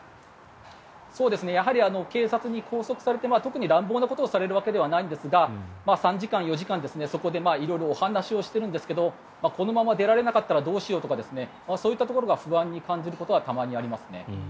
やはり警察に拘束されて特に乱暴なことをされるわけではないんですが３時間４時間、そこで色々お話をしているんですがこのまま出られなかったらどうしようとかそういうことを不安に感じることはたまにありますね。